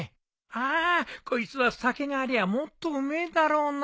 あこいつは酒がありゃもっとうめえだろうなあ。